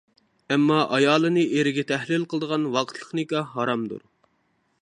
ئەمما ئايالنى ئېرىگە تەھلىل قىلىدىغان ۋاقىتلىق نىكاھ ھارامدۇر.